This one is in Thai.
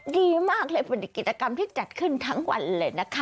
ดีมากเลยเป็นกิจกรรมที่จัดขึ้นทั้งวันเลยนะคะ